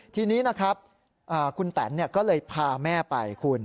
ทีนี้นะครับคุณแตนก็เลยพาแม่ไปคุณ